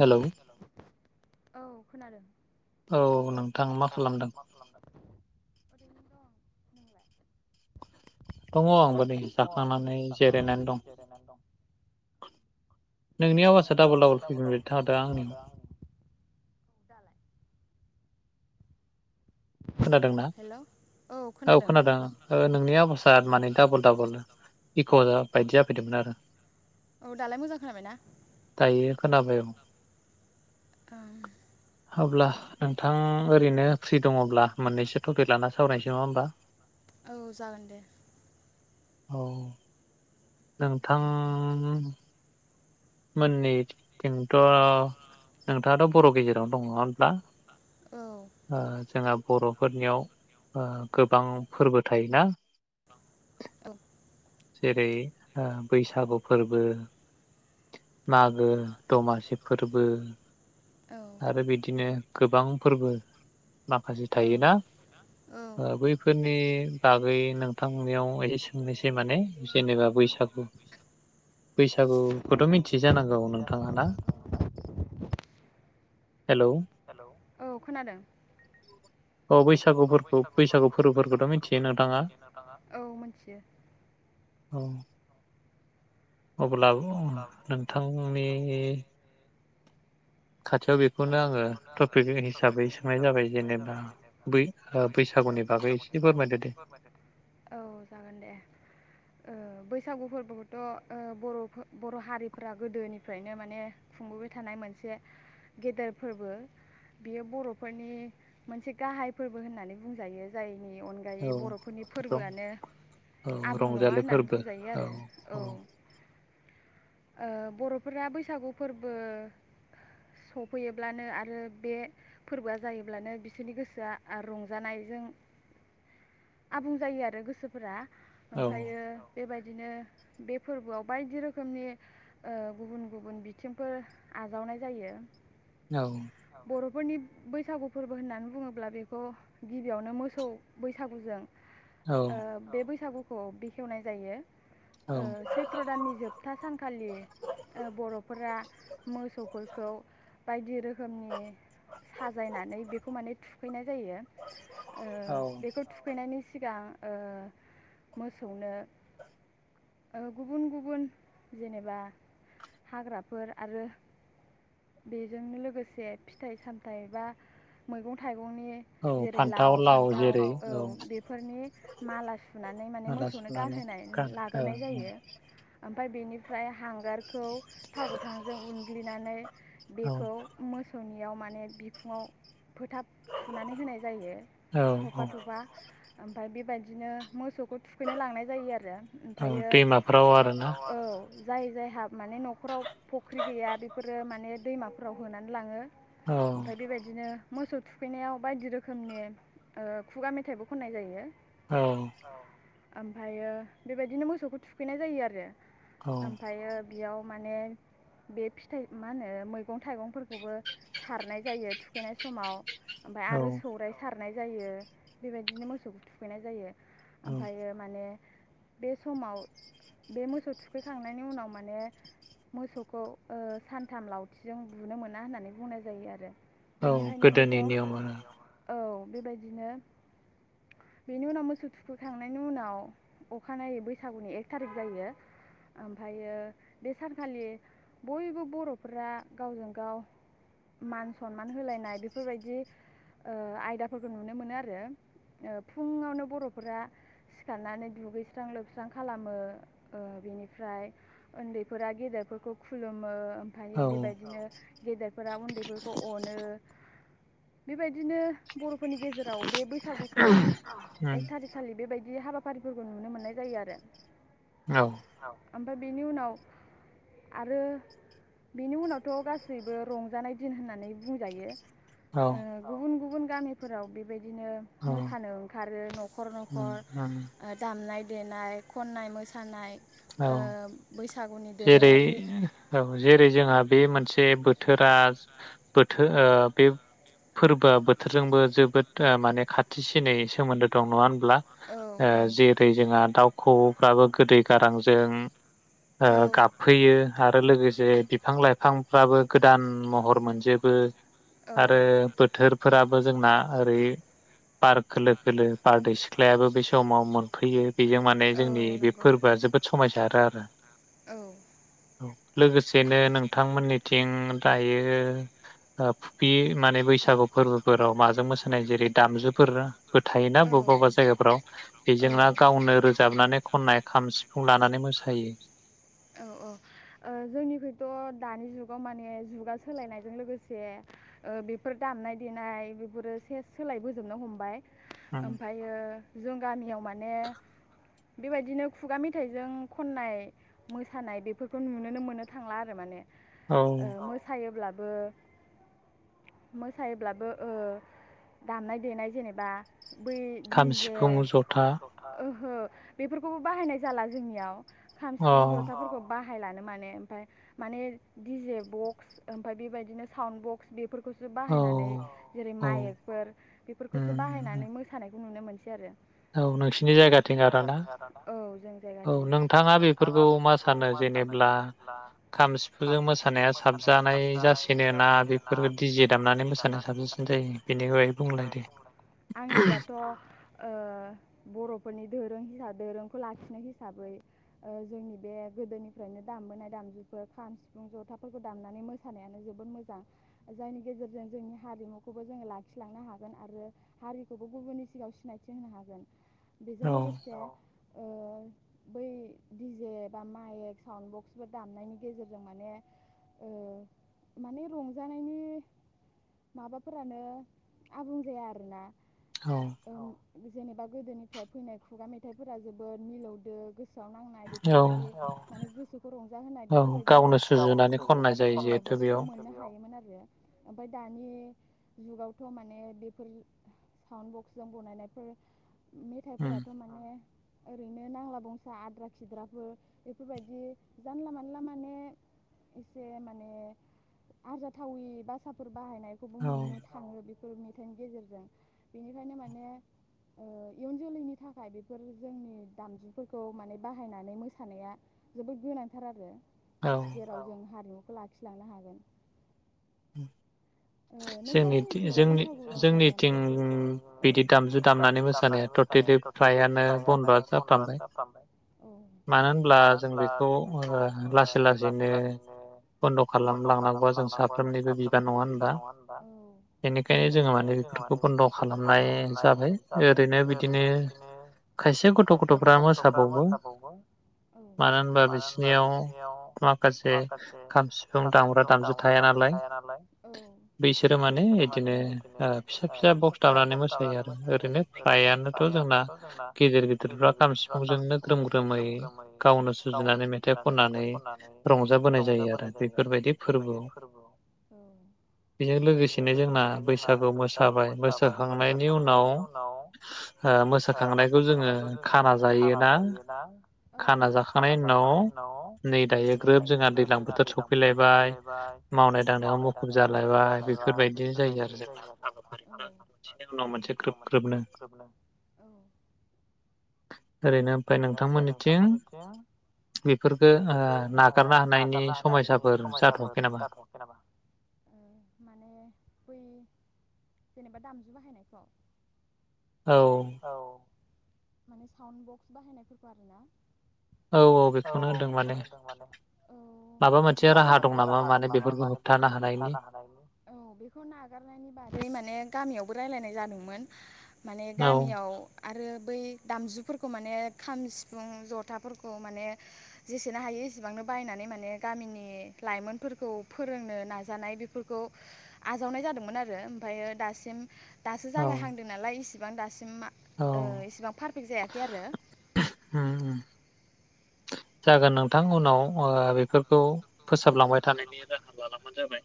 Hello. औ खोनादों। औ नोंथां मा खालामदों। नोंलाय। दङ आंबो नै जाखांनानै जिरायनानै दं नोंनि आवासआ डाबल डाबल फैफिनबाय थादों आंनियाव। दालाय। खोनादोंना औ खोनादों नोंनि आवासा माने डाबल डाबल इक बायदिया फैदोंमोन आरो। औ दालाय मोजां खोनाबायना। खोनाबाय औ। औ। अब्ला नोंथां ओरैनो फ्रि दङब्ला मोननैसो टपिक लाना सावरायनोसै नङा होमबा। औ जागोन दे। औ नोंथां। मोननैथिंथ नोंथाङाथ बर' गेजेरावनो दङ होनोमब्ला। ओ जाङो बर'फोरनियाव ओ गोबां फोरबो थायोना। औ। जेरै ओ बैसागु फोरबो। मागो दमासि फोरबो। आरो बिदिनो गोबां फोरबो। माखासे थायोना ओ बैफोरनि बागै नोंथांनियाव एसे सोंनोसै माने जेनेबा बैसागु बैसागु खौथ मिथियै जानांगौ नोंथाङा ना हेलौ हेलौ औ खोनादों औ बैसागुफोरखौ बैसागु फोरबोफोरखौथ मिथियो नोंथाङा औ मिथियो। अब्लाबो अ नोंथांनि थांनियाव बेखौनो आङो टपिकनो हिसाबै सोंनाय जाबाय जेनेबा बै ओ बैसागुनि बागै एसे फोरमायदो दे औ जागोन देओ बै। बैसागु फोरबोखोथ ओ बर' बर' हारिफोरा गोदोनिफ्रायनो माने खुंबोबाय थानाय मोनसे गेदेर फोरबो बियो बर'फोरनि मोनसे गाहाय फोरबो होननानै बुंजायो जाय नि अनगायै बर'फोरनि फोरबोआनो आबुं नङा होननानै बुंजायो आरो औ। ओ बर'फोरा बैसागु फोरबो सफैयोब्लानो आरो बे फोरबोआ जायोब्लानो बिसोरनि गोसोआ रंजानायजों आबुं जायो आरो गोसोफोरा। ओमफ्रायो बेबायदि बिदिनो बे फोरबोआव ओ बायदि रोखोमनि गुबुन गुबुन बिथिंफोर आजावनाय जायो। औ। फोरनि बैसागु फोरबो होननानै बुङोब्ला बेखौ गिबियावनो मोसौ बैसागुजों ओ बे बैसागु खौ बेखेवनाय जायो ओ सैथ्र दाननि जोबथा सानखालि ओ बर'फोरा मोसौफोरखौ बायदि रोखोमनि साजायनानै बेखौ माने थुखैनाय फैयो ओ बेखौ थुखैनायनि सिगां ओ मोसौनो ओ गुबुन गुबुन जेनेबा हाग्राफोर आरो बेजोंनो लोगोसे फिथाइ सामथाइ बा मैगं थाइगं [unintelligible] जेरै लाव फान्थाव औ बेफोरनि माला सु सुनानै माने मोसौनो गानहोनाय लाग्रोनाय जायो ओमफ्राय बेनिफ्राय हांगारखौ थाव गोथांजों उनग्लिनानै बेखौ मो सौनियाव माने बिखुङाव फोथाब थुनानै होनाय जायो थफा थफा ओमफ्राय बेबायदिनो मोसौखौ थुखैनो लांनाय जायो आरो ओमफायो औ जाय जाय [unintelligible] माने नखराव फख्रि गैया बेफोरो माने दैमाफोराव होनानै लाङो ओमफ्राय बेबायदिनो मोसौ थुखैनायाव बायदि रोखोमनि ओ खुगा मेथाइबो खननाय जायो औ ओमफ्रायो बेबायदिनो मोसौखौ थुखैनाय जायो आरो ओमफ्रायो बेयाव माने बे फिथाइ मा होनो मै मैगं थाइगंफोरखौबो सारनाय जायो थुखैनाय समाव ओमफ्राय आरो सौरायाइ सार नाय जायो बेबायदिनो मोसौखौ थुखैनाय जायो। ओमफ्रायो माने बे समाव बे मोसौ थुखैखांनायनि उनाव माने मोसौखौ ओ सानथाम लाव थिजों बुनो मोना होननानै बुंनाय जायो आरो बेनिखायनो बेखौ औ बेबायदिनो बेनि उनाव मोसौ थुखुखांनायनि उनाव अखानायै बैसागुनि एक थारिक जायो ओमफ्रायो बे सानखालि बयबो बर'फोरा गावजों गाव मान सनमान होलायनाय बेफोरबायदि ओ आयदाफोरखौ नुनो मोनो आरो ओ फुङावनो बर'फोरा सिखारनानै दुगैस्रां लोबस्रां खालामो ओ बिनिफ्राय उन्दैफोरा गेदेरफोरखौ खुलुमो ओमफ्रायो बेबादि गेदेरफोरा उन्दैफोरखौ अनो बेबायदिनो। बरफोरनि गेजेराव बे बैसागुखौ एक थारिक खालि बेबायदि बि हाबाफारिफोरखौ नुनो मोननाय जायो आरो। औ। ओमफ्राय बेनि उनाव आरो बेनि उनाव थ' गासैबो रंजानाय दिन होननानै बुंजायो। ओह गुबुन गुबुन। गामिफोराव बेबायदि बिदिनो मोसानो ओंखारो नखर नखर ओ दामनाय देनाय खननाय मोसानाय। औ जेरै ओ औ जेरै जोंहा बे मोनसे। बे बोथोरा बोथो ओह बे फोरबोआ बोथोरजोंबो जोबोद ओ माने खाथि सिनै सोमोनदो दं नङा होन ब्ला ओह जेरै जोंहा दाउखौऔ। फ्राबो गोदै। गारांजों। ओह गाबफैयो। आरो लोगोसे बिफां लाइफांफ्राबो गोदान महर मोनजोबो। आरो बोथोरफोराब जोंना ओरै बार खोलो खोलो बारदै सिख्लायाबो बे समाव मोनफैयो। बेजों माने जोंनि बे फोरबो समायसारो आरो। औ। औ लोगोसेनो नोंथांमोननिथिं दायो ओह फुफि माने बैसागु फोरबोफोराव माजों मोसानाय जेरै दामजुफोरा। फोथायोना बबेबा बबेबा जायगाफ्राव बेजोंना गावनो रोजाबनानै खननाय। खाम सिफुं लानानै मोसायो औ औ ओह जोंनिफ्रायथ दानि जुगाव माने जुगा सोलायनायजों लोगोसे ओह बेफोर दामनाय देनाय बेफोरो सेस सोलायबोजोबनो हमबाय। ओमफ्रायो। जों गामियाव माने बेबायदिनो खुगा मेथाइजों खननाय मोसानाय बेफोरखौ नुनोनो मोननो थांला आरो माने। ओह औ मोसायोब्ला ओह मोसायोब्लाबो ओ दामनाय देनाय जेनेबा बै दिजे खाम सिफुं जथा ओ हो बेफोरखौबो बाहायनाय जाला जोंनियाव। खाम सिफुं जथाफोरखौ बाहा [unintelligible] लानो माने ओमफ्राय माने डि जे बक्स ओमफ्राय बेबायदिनो साउन बक्स बेफोर [unintelligible] बाहायनानै जेरै माइक फोर बेफोरखौसो बाहायनानै मोसानायखौ नुनो मोनसै आरो‌। औ नोंसिनि जायगाथिं आरोना औ नोंथाङा बेफोरखौ मा सानो जेनेब्ला खाम सिफुजों मोसानाया साबजानाय जासिनो ना बेफोरबादि दि जे दामनानै मोसानाया साबजासिन जायो बेनि बागै बुंलाय दे आंनिबाथ' ओ बर'फोरनि दोरों हि दोरोंखौ लाखिनाय हिसाबै जोंनि बे गोदोनिफ्रायनो दामबोनाय दामजुफोर खाम सिफुं जथाफोरखौ दामनानै मोसानायानो जोबोद मोजां जायनि गेजेरजों जोंनि हारिमुखौबो जोङो लाखिलांनो हागोन आरो हारिखौबो गुबुननि सिगाङाव सिनायथि होनो हागोन। बेजों लोगोसे ओ बै दि जे बा माइक साउन्ड बक्सफोर दामनायनि गेजेरजों माने ओ माने रंजानायनि माबाफोरानो आबुं जाया आरोना औ जेनेबा गोदोनिफ्राय फैनाय खुगा मेथाइफोरा जोबोद मिलौदो गोस गोसोआव नांनाय बेफोरबायदि माने गोसोखौ रंजाहोनाय बेफोरबायदि खननाय बेफोरखौ मोननो हायोमोन आरो ओमफाय दानि जुगावथ' माने बेफोर साउन्ड बक्सजों बनायनायफोर मेथाइफोराथ' माने ओरैनो नांला बंसा आद्रा खिद्राफोर बेफोरबायदि जानला मानला माने एसे माने आरजाथावि बाथ्राफोर बाहायनायखौबो मोननो थाङो बे फोर मेथाइनि गेजेरजों बेनिखायनो माने ओ इयुन जोलैनि थाखाय बेफोर जोंनि दामजुफोरखौ माने बाहायनानै मोसानाया जोबोद गोनांथार आरो जेराव जों हारु खौ लाखिलांनो हागोन। उम ओ नोंथां मोननिथिंलाय बैसागु रंजानाया माबायदि? जोंनिथिं औ बिदि दामजु दामनानै मोसानाया टटेलि फ्रायानो बन्द'आनो जाफ्रामबाय औ मानो होनब्ला जों बेखौ लासै लासैनो बन्द' खालामलांनांगौआ [unintelligible] बान नङा होनबा बेनिखायनो जोङो माने बेफोरखौ बन्द' खालामनाय जाबाय ओरैनो बिदिनो खायसे गथ' गथ'फ्रा मोसाबावो औ मानो होनबा बिसिनियाव माखासे खाम सिफुं दामग्रा दामजु थाया नालाय बिसोरो माने इदिनो ओ फिसा फिसा बक्स दामनानै मोसायो आरो ओरैनो फ्रायानोथ' जोंना गिदिर गिदिरफ्रा खाम सिफुंजोंनो ग्रोम ग्रोमै गावनो सुजुनानै मेथाइ खननानै रंजाबोनाय जायो आरो बेफोरबायदि फोरबोआव। औ बेजों लोगोसेनो जोंना बैसागु मोसाबाय मोसाखांनायनि उनाव ओ मोसाखांनायखौ जोङो खाना जायोना खाना जाखांनायनि उनाव नै दायो ग्रोब जोंहा दैज्लां बोथोर सफैलायबाय मावनाय दांनायाव मुखुब मुखुब जालायबाय बेफोरबायदि जायो आरो जोंनाव मोनसे ग्रोब ग्रोबनो औ ओरैनो ओमफ्राय नोंथांमोननिथिं बेफोरखो ओ नागारनो हानायनि समायसाफोर जाथ' [unintelligible] माने बै जेनेबा दामजु बाहायनायखौ? औ माने साउन्ड बक्स बाहायनायफोरखौ आरोना। औ औ बेखौनो होनदों माने माबा मोनसे राहा दं नामा माने बेफोरखौ? औ बेखौ नागारनायनि बादै माने गामियावबो रायलायनाय जादोंमोन। माने गामियाव आरो बै दामजुफोरखौ माने खाम सिफुं जथाफोरखौ माने जेसेनो हायो एसेबांनो बायनानै माने गामिनि लाइमोनफोरखौ फोरोंनो ना जानाय बेफोरखौ आजावनाय जादोंमोन आरो ओमफायो दासिम दासो जागायहांदों नालाय इसे‌ बिबां दा सिमा ओ इसेबां पारफेक्ट जायाखै आरो। जागोन नोंथां उनाव ओ बेफोरखौ फोसाबलांबाय थानायनि राहा लालांबानो जाबाय।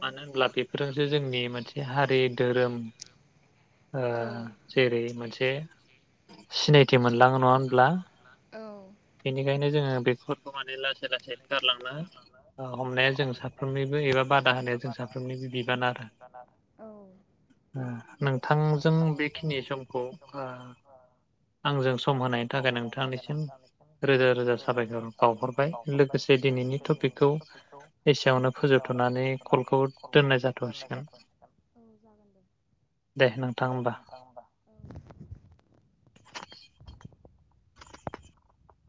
मानो होनब्ला बेफोरो जे जोंनि मोनसे हारि, धोरोम ओ जेरै मोन से सिनाय थि मोनलाङो नङा होनब्ला? बेखायनो जोङो बेखौ माने लासै लासैनो गारलांनो ओ हमनाया जों साफ्रोमनिबो एबा बादा होनाया जों साफ्रोमनिबो बिबान आरो नोंथांजों बेखिनि समखौ ओ आंजों सम होनायनि थाखाय नोंथांनिसिम रोजा रोजा साबायखर बावहरबाय लोगोसे दिनैनि टपिकखौ खौ एसेयावनो फोजोबथ'नानै कलखौ दोननाय जाथ'सिगोन दे नोंथां होमबा।